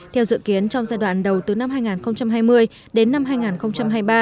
theo dự kiến trong giai đoạn đầu từ năm hai nghìn hai mươi đến năm hai nghìn hai mươi ba